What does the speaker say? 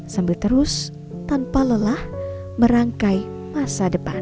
sambil terus tanpa lelah merangkai masa depan